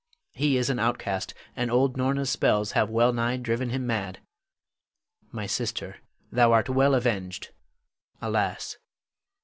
He is an outcast, and old Norna's spells have well nigh driven him mad. My sister, thou art well avenged! Alas!